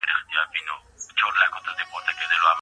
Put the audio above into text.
په يخ موسم کي ځان تاوده ساتل مهم دی.